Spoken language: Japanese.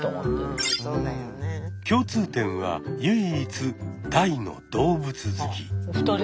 共通点は唯一「大の動物好き」。